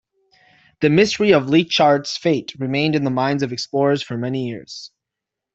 The mystery of Leichhardt's fate remained in the minds of explorers for many years.